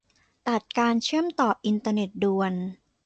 ตัดการเชื่อมต่ออินเทอร์เน็ตด่วน